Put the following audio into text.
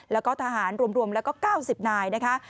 แล้วก็ทหารรวมแล้วก็๙๐นายนะคะ